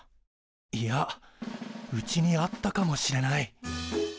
いやうちにあったかもしれない。